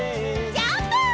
ジャンプ！